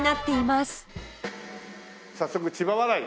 早速千葉笑い